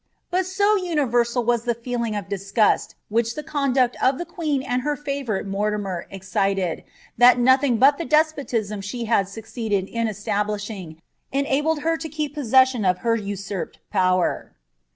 But so universal was the feeling of disgust which lb* e«> duet of the queen and her tavouriie Mortimer excited, that nolliia; ta the despotism she had succeeded in establishing, enabled b«r to tef possession of her usurped power.'